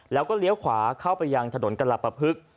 แล้วก็เลี้ยวขวาเข้าไปยังถนนกรปภึก